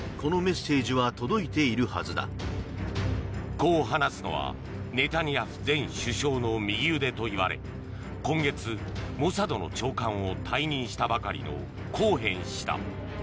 こう話すのはネタニヤフ前首相の右腕といわれ今月、モサドの長官を退任したばかりのコーヘン氏だ。